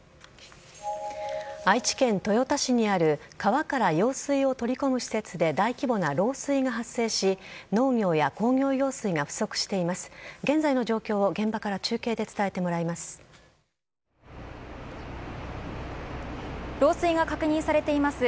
愛知県豊田市にある川から用水を取り込む施設で大規模な漏水が発生し農業や工業用水が不足しています。